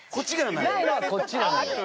ないのはこっちなのよ。